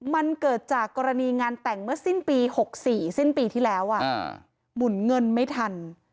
มันเกิดจากกรณีงานแต่งเมื่อสิ้นปี๖๔สิ้นปีที่แล้วหมุนเงินไม่ทัน